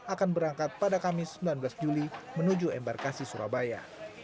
akan berangkat pada kamis sembilan belas juli menuju embarkasi surabaya